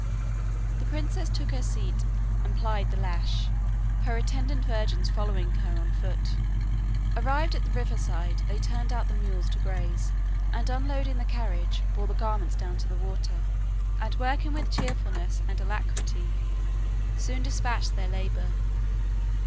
The princess took her seat and plied the lash, her attendant virgins following her on foot. Arrived at the river side, they turned out the mules to graze, and unlading the carriage, bore the garments down to the water, and working with cheerfulness and alacrity soon despatched their labor.